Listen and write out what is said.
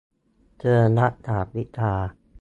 เทอมละสามวิชา